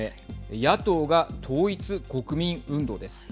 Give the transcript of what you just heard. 野党が統一国民運動です。